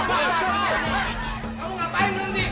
kamu ngapain berisik